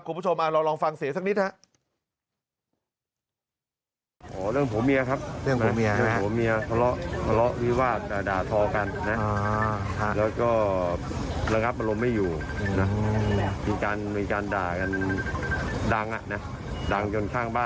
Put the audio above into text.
คุณผู้ชมเราลองฟังเสียงสักนิดครับ